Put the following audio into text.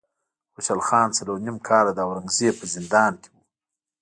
خوشحال خان څلور نیم کاله د اورنګ زیب په زندان کې و.